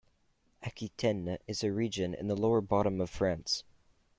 Aquitaine is a region in the lower bottom of France.